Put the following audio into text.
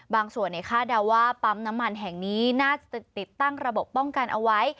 บางส่วนคาดเดาว่าปั๊มน้ำมันแห่งนี้น่าจะติดตั้งระบบป้องกันเอาไว้